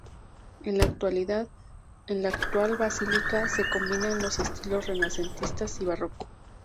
En la actual basílica se combinan los estilos renacentista y barroco.